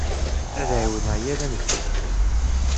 Ad ɛiwneɣ yal amdan.